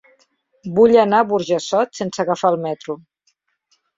Vull anar a Burjassot sense agafar el metro.